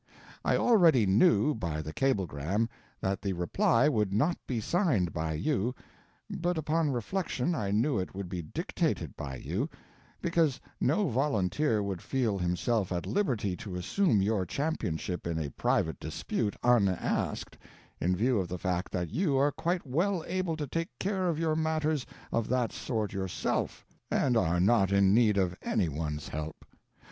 I already knew, by the cablegram, that the "reply" would not be signed by you, but upon reflection I knew it would be dictated by you, because no volunteer would feel himself at liberty to assume your championship in a private dispute, unasked, in view of the fact that you are quite well able to take care of your matters of that sort yourself and are not in need of any one's help.